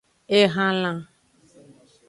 Ehalan.